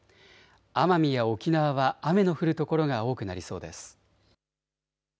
奄美や沖縄は雨の降る所が多くなりそうです。